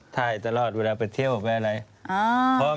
ไทยตลอดเวลาไปเที่ยวหรือเปล่าอะไร